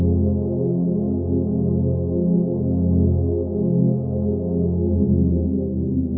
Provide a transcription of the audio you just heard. สวัสดีทุกคน